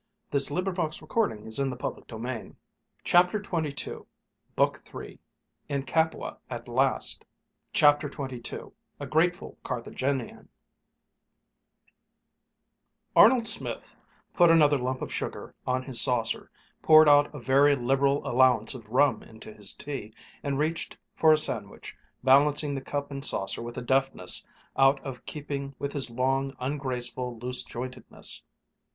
"Oh, Mother darling! How can you be so when it's only for a few weeks!" BOOK III IN CAPUA AT LAST CHAPTER XXII A GRATEFUL CARTHAGINIAN Arnold Smith put another lump of sugar on his saucer, poured out a very liberal allowance of rum into his tea, and reached for a sandwich, balancing the cup and saucer with a deftness out of keeping with his long, ungraceful loose jointedness.